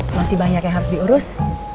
masih banyak yang harus diurus